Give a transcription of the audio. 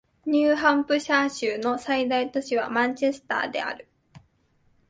ニューハンプシャー州の最大都市はマンチェスターである